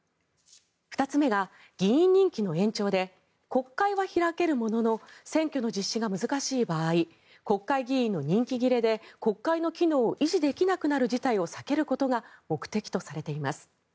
２つ目が議員任期の延長で国会は開けるものの選挙の実施が難しい場合国会議員の任期切れで国会の機能を維持できなくなる事態を避けることが目的とされています。